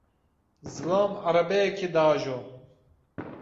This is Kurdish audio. Zilam erebeyekê diajo.